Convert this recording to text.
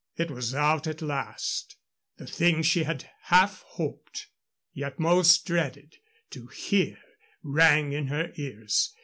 It was out at last. The thing she half hoped yet most dreaded to hear rang in her ears.